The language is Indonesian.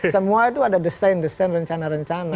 semua itu ada desain desain rencana rencana